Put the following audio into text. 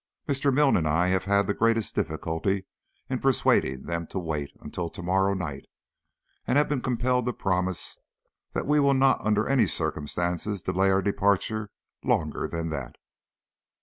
Mr. Milne and I have had the greatest difficulty in persuading them to wait until to morrow night, and have been compelled to promise that we will not under any circumstances delay our departure longer than that.